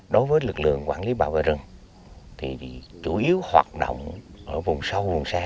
đối với lực lượng quản lý bảo vệ rừng thì chủ yếu hoạt động ở vùng sâu vùng xa